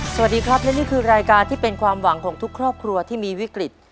สวัสดีครับและนี่คือรายการที่เป็นความหวังของทุกครอบครัวที่มีวิกฤต